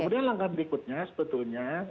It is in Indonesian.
kemudian langkah berikutnya sebetulnya